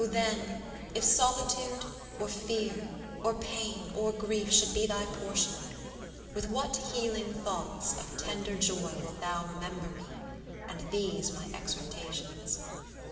then, If solitude, or fear, or pain, or grief, Should be thy portion, with what healing thoughts Of tender joy wilt thou remember me, And these my exhortations!